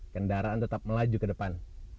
kendaraan tetap melaju ke depan